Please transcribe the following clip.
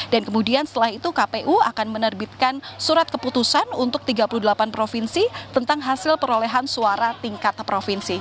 dan kemudian setelah itu kpu akan menerbitkan surat keputusan untuk tiga puluh delapan provinsi tentang hasil perolehan suara tingkat provinsi